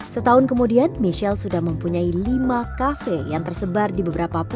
setahun kemudian michelle sudah mempunyai lima kafe yang tersebar di beberapa pulau